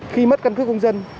khi mất căn cước công dân